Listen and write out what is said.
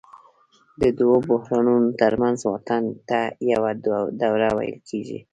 د دوو بحرانونو ترمنځ واټن ته یوه دوره ویل کېږي